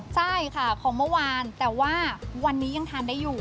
ใช่ค่ะของเมื่อวานแต่ว่าวันนี้ยังทานได้อยู่